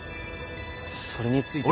それについては。